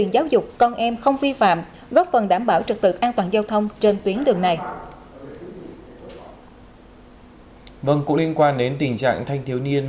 vẫn cũng liên quan đến tình trạng thanh thiếu niên